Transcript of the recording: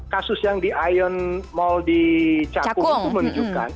kasus yang di ion mall di cakung itu menunjukkan